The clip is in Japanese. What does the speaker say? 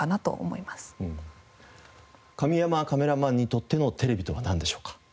神山カメラマンにとってのテレビとはなんでしょうか？